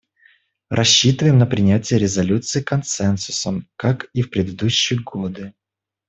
Рассчитываем на принятие резолюции консенсусом, как и в предыдущие годы.